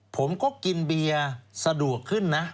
ผมก็กินเบียร์สะดวกขึ้นนะ